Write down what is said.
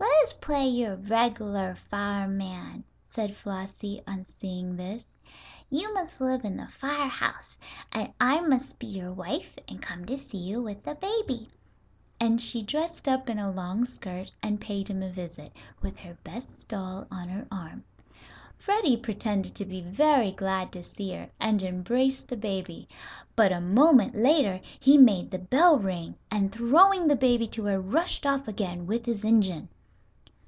"Let us play you are a reg'lar fireman," said Flossie, on seeing this. "You must live in the fire house, and I must be your wife and come to see you with the baby." And she dressed up in a long skirt and paid him a visit, with her best doll on her arm. Freddie pretended to be very glad to see her, and embraced the baby. But a moment later he made the bell ring, and throwing the baby to her rushed off again with his engine.